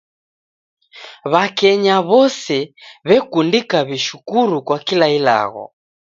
W'akenya w'ose wekundika w'ishukuru kwa kila ilagho